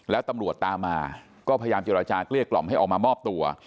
แล้วตำรวจตามมาก็พยายามเจรจาเกลี้ยกล่อมให้ออกมามอบตัว